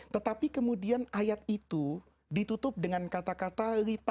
tetapi kemudian ayat itu ditutup dengan kata kata